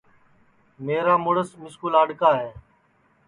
میرا مُرس مِسکُو لاڈؔکا ہے